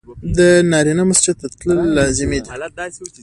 د نارينه مسجد ته تلل لازمي دي.